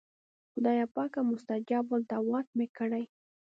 خدایه پاکه مستجاب الدعوات مې کړې.